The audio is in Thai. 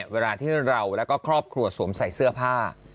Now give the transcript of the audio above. เวลาที่เราแล้วก็ครอบครัวสวมใส่เสื้อผ้า